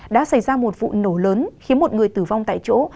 đã xảy ra một vụ nổ lớn khiến một người tử vong tại chỗ